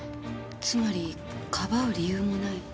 つまり庇う理由もない。